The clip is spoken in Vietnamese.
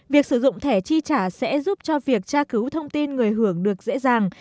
việc sử dụng thẻ chi trả sẽ giúp cho việc tra cứu thông tin người hưởng được dễ dàng